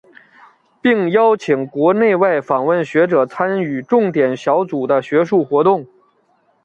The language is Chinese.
并邀请国内外访问学者参与重点小组的学术活动。